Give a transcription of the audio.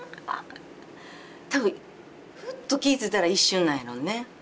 多分ふっと気ぃ付いたら一瞬なんやろうね。